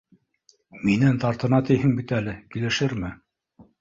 - Минән тартына тиһең бит әле, килешерме?